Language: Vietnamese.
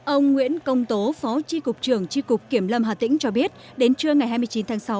ông nguyễn công tố phó tri cục trưởng tri cục kiểm lâm hà tĩnh cho biết đến trưa ngày hai mươi chín tháng sáu